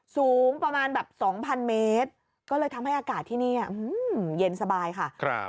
สูงประมาณแบบ๒๐๐เมตรก็เลยทำให้อากาศที่นี่เย็นสบายค่ะ